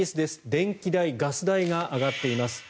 電気代、ガス代が上がっています。